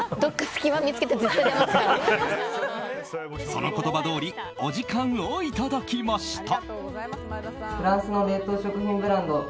その言葉どおりお時間をいただきました。